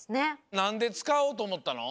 なんでつかおうとおもったの？